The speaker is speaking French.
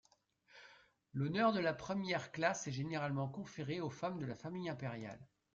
L'honneur de la première classe est généralement conféré aux femmes de la famille impériale.